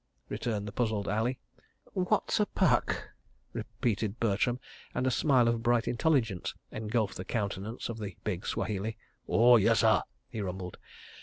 returned the puzzled Ali. "What's a puck?" repeated Bertram, and a smile of bright intelligence engulfed the countenance of the big Swahili. "Oh, yessah!" he rumbled.